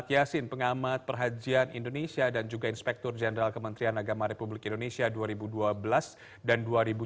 pak hilman adalah pengamat yang berada di jenderal hajian indonesia dan juga inspektur jenderal kementerian agama republik indonesia dua ribu dua belas dan dua ribu tujuh belas